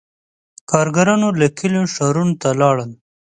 • کارګرانو له کلیو ښارونو ته ولاړل.